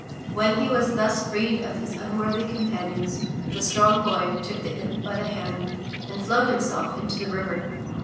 When he was thus freed of his unworthy companions, the Strong Boy took the imp by the hand and flung himself into the river.